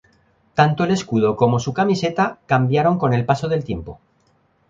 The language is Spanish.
Tanto el escudo como su camiseta cambiaron con el paso del tiempo.